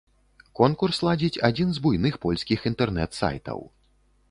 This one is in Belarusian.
Конкурс ладзіць адзін з буйных польскіх інтэрнэт-сайтаў.